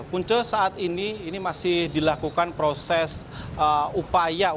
punca saat ini masih dilakukan proses upaya untuk mencari